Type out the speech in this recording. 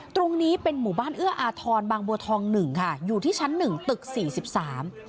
ตรงนี้เป็นหมู่บ้านเอื้ออาทรบางบัวทองหนึ่งค่ะอยู่ที่ชั้นหนึ่งตึกสี่สิบสาม